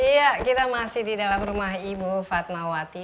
iya kita masih di dalam rumah ibu fatmawati